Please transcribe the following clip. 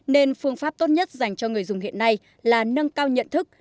nên phương pháp tốt nhất dành cho người dùng hiện nay là nâng cao nhận thức